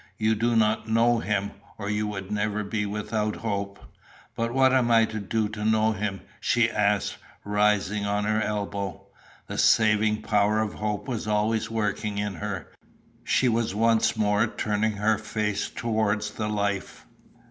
You do not know him, or you would never be without hope." "But what am I to do to know him!" she asked, rising on her elbow. The saving power of hope was already working in her. She was once more turning her face towards the Life.